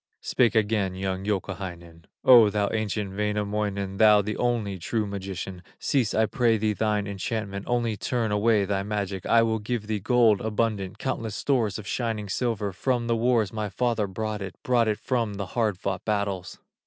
Spake again young Youkahainen: "O thou ancient Wainamoinen, Thou the only true magician, Cease I pray thee thine enchantment, Only turn away thy magic, I will give thee gold abundant, Countless stores of shining silver; From the wars my father brought it, Brought it from the hard fought battles."